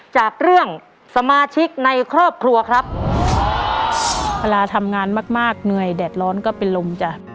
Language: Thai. จากเรื่องสมาชิกในครอบครัวครับเวลาทำงานมากมากเหนื่อยแดดร้อนก็เป็นลมจ้ะ